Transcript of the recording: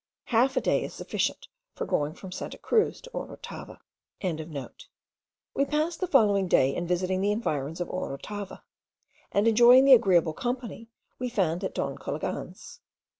Half a day is sufficient for going from Santa Cruz to Orotava.) We passed the following day in visiting the environs of Orotava, and enjoying the agreeable company we found at Don Cologan's.